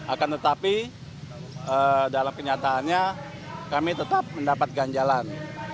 akan tetapi dalam kenyataannya kami tetap mendapatkan jalan